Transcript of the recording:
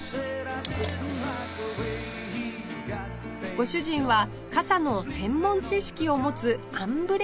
ご主人は傘の専門知識を持つアンブレラ・マスター